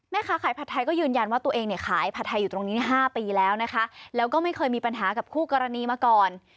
แม่ค้าขายผัดไทยก็ยืนยันว่าตัวเองเนี่ยขายผัดไทยอยู่ตรงนี้๕ปีแล้วนะคะแล้วก็ไม่เคยมีปัญหากับคู่กรณีมาก่อน